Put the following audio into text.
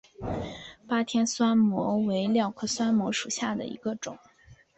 巴天酸模为蓼科酸模属下的一个种。